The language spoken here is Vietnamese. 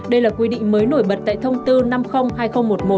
đây là quy định mới nổi bật tại thông tư năm trăm linh hai nghìn một mươi một